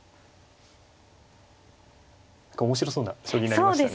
面白そうな将棋になりましたね。